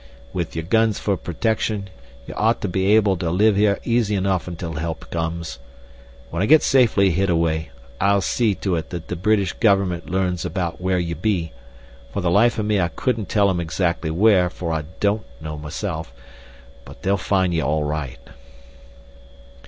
"With yer guns for protection, ye ought to be able to live here easy enough until help comes. When I get safely hid away I'll see to it that the British gover'ment learns about where ye be; for the life of me I couldn't tell 'em exactly where, for I don't know myself. But they'll find ye all right."